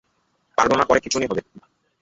পারব না, পরে খিঁচুনি হবে।